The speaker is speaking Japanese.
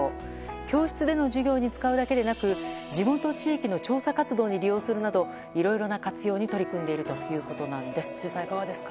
教室での授業に使うだけでなく地元地域の調査活動に利用するなどいろいろな活用に取り組んでいるということなんですが辻さん、いかがですか？